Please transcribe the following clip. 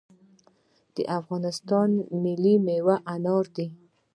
د افغانستان ملي میوه انار ده